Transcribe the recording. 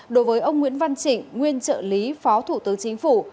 đối với ông nguyễn văn trịnh nguyên trợ lý phó thủ tướng chính phủ